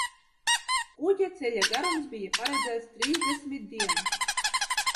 Kuģa ceļa garums bija paredzēts trīsdesmit dienas.